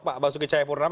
pak basuki cahayapurna